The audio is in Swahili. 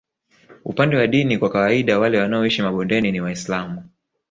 Upande wa dini kwa kawaida wale wanaoishi mabondeni ni Waislamu